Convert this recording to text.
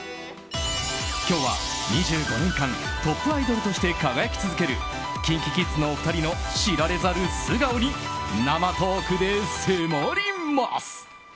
今日は２５年間トップアイドルとして輝き続けるＫｉｎＫｉＫｉｄｓのお二人の知られざる素顔に生トークで迫ります！